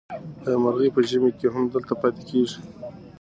آیا مرغۍ په ژمي کې هم دلته پاتې کېږي؟